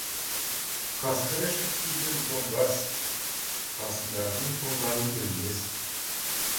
Қасқыр ішік киген тоңбас, қасындағының тоңғанын білмес.